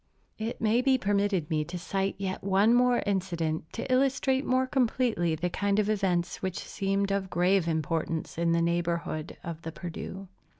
It may be permitted me to cite yet one more incident to illustrate more completely the kind of events which seemed of grave importance in the neighborhood of the Perdu.